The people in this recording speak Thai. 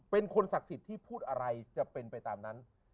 เป็นคนศักดิ์สิทธิ์ที่พูดอะไรจะเป็นไปตามนั้น